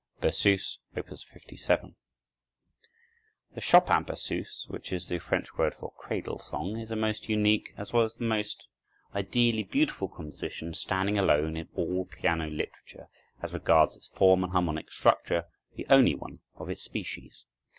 Chopin: Berceuse, Op. 57 The Chopin Berceuse (which is the French word for cradle song) is a most unique as well as most ideally beautiful composition, standing alone in all piano literature, as regards its form and harmonic structure, the only one of its species.